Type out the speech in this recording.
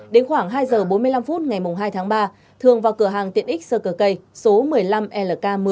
đến khoảng hai giờ bốn mươi năm phút ngày hai tháng ba thường vào cửa hàng tiện ích sơ cờ cây số một mươi năm lk một mươi